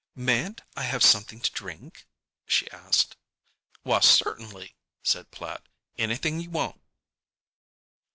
"Mayn't I have something to drink?" she asked. "Why, certainly," said Platt. "Anything you want."